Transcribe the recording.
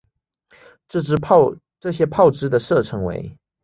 这些炮支的射程为。